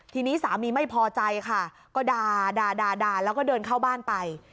ทีนี้สามีไม่พอใจค่ะก็ด่าด่าแล้วก็เดินเข้าบ้านไป